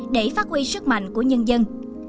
để phát huy sức mạnh của nhân dân